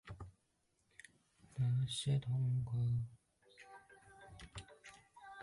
线黑粉菌目是银耳纲下属的一种属于真菌的目。